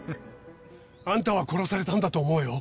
あんたは殺されたんだと思うよ。